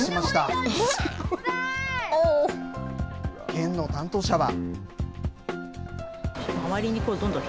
県の担当者は。